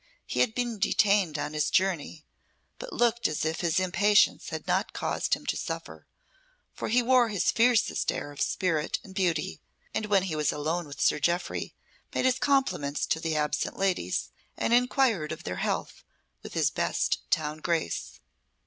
He had been detained on his journey, but looked as if his impatience had not caused him to suffer, for he wore his finest air of spirit and beauty, and when he was alone with Sir Jeoffry, made his compliments to the absent ladies, and inquired of their health with his best town grace.